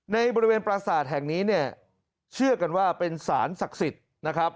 ในบริเวณปราศาสตร์แห่งนี้เนี่ยเชื่อกันว่าเป็นสารศักดิ์สิทธิ์นะครับ